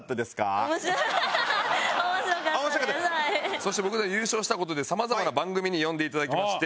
そして僕たち優勝した事で様々な番組に呼んで頂きまして。